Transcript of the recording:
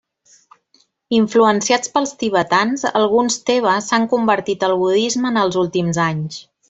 Influenciats pels Tibetans, alguns teva s'han convertit al budisme en els últims anys.